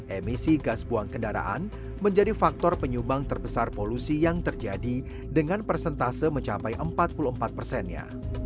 emisi gas buang kendaraan menjadi faktor penyumbang terbesar polusi yang terjadi dengan persentase mencapai empat puluh empat persennya